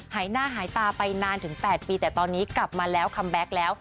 หายหน้าหายตาไปนานถึง๘ปีแต่ตอนนี้กลับมาแล้วคัมแบ็คแล้ว